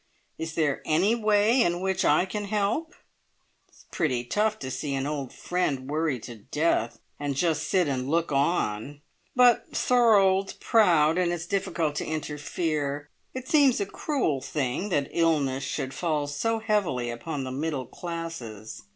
Is there any way in which I can help? It's pretty tough to see an old friend worried to death, and just sit and look on but Thorold's proud, and it's difficult to interfere. It seems a cruel thing that illness should fall so heavily upon the middle classes.